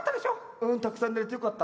うんたくさん寝れてよかった。